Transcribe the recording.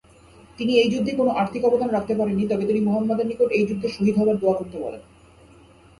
তিনি এই যুদ্ধে কোন আর্থিক অবদান রাখতে পারেননি, তবে তিনি মুহাম্মাদের নিকট এই যুদ্ধে শহীদ হবার দোয়া করতে বলেন।